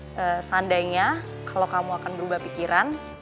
seandainya kalau kamu akan berubah pikiran